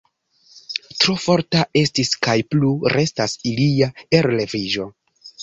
Tro forta estis kaj plu restas ilia elreviĝo.